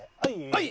はい！